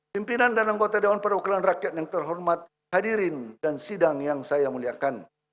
pimpinan dan anggota dewan perwakilan rakyat yang terhormat hadirin dan sidang yang saya muliakan